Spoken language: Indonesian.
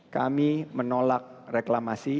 kami menolak reklamasi